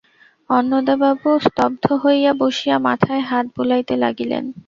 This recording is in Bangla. অন্নদাবাবু স্তব্ধ হইয়া বসিয়া মাথায় হাত বুলাইতে লাগিলেন।